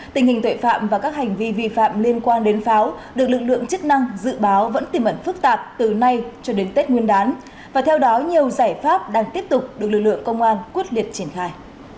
tình hình tội phạm và các hành vi vi phạm liên quan đến pháo được lực lượng chức năng dự báo vẫn tiềm ẩn phức tạp từ nay cho đến tết nguyên đán và theo đó nhiều giải pháp đang tiếp tục được lực lượng công an quyết liệt triển khai